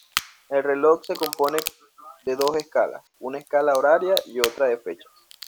El reloj se compone de dos escalas, una escala horaria y otra de fechas.